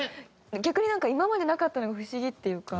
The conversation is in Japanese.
逆に今までなかったのが不思議っていうか。